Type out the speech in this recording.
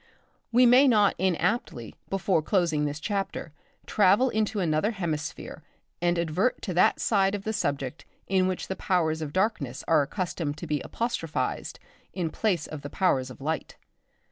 We may not inaptly before closing this chapter travel into another hemisphere and advert to that side of the subject in which the powers of darkness are accustomed to be apostrophised in place of the powers of light.